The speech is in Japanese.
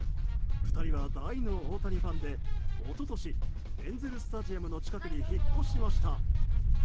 ２人は大の大谷ファンで一昨年エンゼル・スタジアムの近くに引っ越しました。